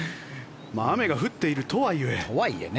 雨が降っているとはいえ。